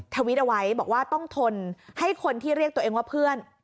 ทวิตเอาไว้บอกว่าต้องทนให้คนที่เรียกตัวเองว่าเพื่อน